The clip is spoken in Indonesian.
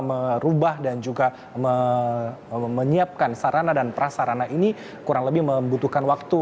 merubah dan juga menyiapkan sarana dan prasarana ini kurang lebih membutuhkan waktu